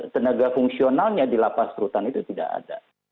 tenaga fungsionalnya di lapas rutan itu tidak ada